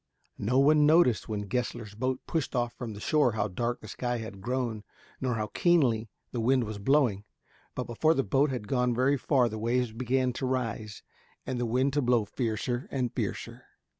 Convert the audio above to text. No one noticed when Gessler's boat pushed off from the shore how dark the sky had grown nor how keenly the wind was blowing. But before the boat had gone very far the waves began to rise, and the wind to blow fiercer and fiercer.